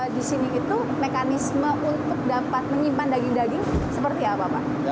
di sini itu mekanisme untuk dapat menyimpan daging daging seperti apa pak